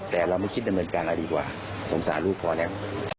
แต่เราไม่คิดในเหมือนกันอ่ะดีกว่าสงสารลูกพอแล้ว